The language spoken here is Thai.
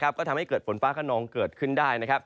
ก็ทำให้เกิดฝนฟ้าขนองเกิดขึ้นได้